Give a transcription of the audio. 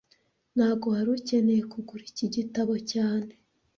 Ntago wari ukeneye kugura iki gitabo cyane